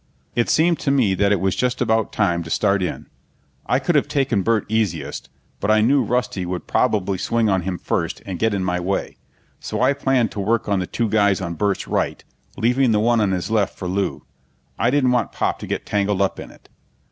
It seemed to me that it was just about time to start in. I could have taken Burt easiest, but I knew Rusty would probably swing on him first and get in my way, so I planned to work on the two guys on Burt's right, leaving the one on his left for Lew. I didn't want Pop to get tangled up in it.